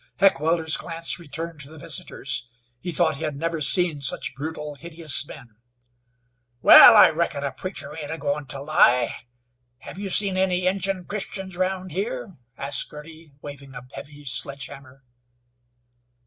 Heckewelder's glance returned to the visitors. He thought he had never seen such brutal, hideous men. "Wal, I reckon a preacher ain't agoin' to lie. Hev you seen any Injun Christians round here?" asked Girty, waving a heavy sledge hammer.